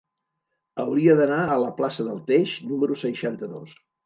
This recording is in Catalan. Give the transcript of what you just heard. Hauria d'anar a la plaça del Teix número seixanta-dos.